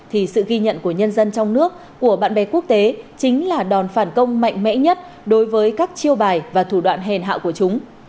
thì sự ghi nhận của nhân dân trong nước của bạn bè quốc tế chính là đòn phản công mạnh mẽ nhất đối với các chiêu bài và thủ đoạn hẹn hạo của chúng